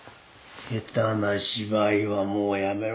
下手な芝居はもうやめろ